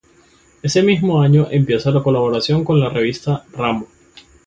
Ese mismo año empieza la colaboración con la revista "Ramo".